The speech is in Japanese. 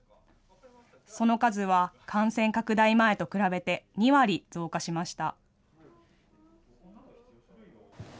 その数は感染拡大前と比べて、２割増加しました。